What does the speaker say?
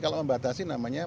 kalau membatasi namanya